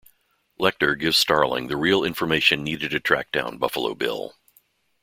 Lecter gives Starling the real information needed to track down Buffalo Bill.